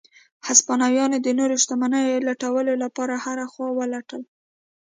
هسپانویانو د نورو شتمنیو لټولو لپاره هره خوا ولټل.